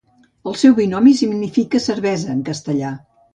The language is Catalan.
El seu binomi significa cervesa en castellà.